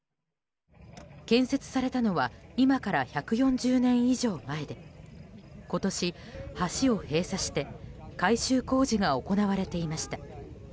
建設されたのは今から１４０年以上前で今年、橋を閉鎖して改修工事が行われていました。